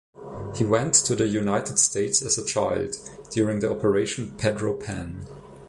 He went to the United States as a child during the Operation Pedro Pan.